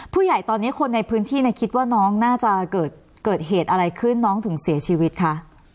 ผู้ใหญ่ตอนนี้คนในพื้นที่คิดว่าน้องน่าจะเกิดเหตุอะไรขึ้นน้องถึงเสียชีวิตคะ